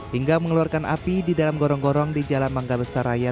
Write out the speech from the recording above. hingga mengeluarkan api di dalam gorong gorong di jalan mangga besar raya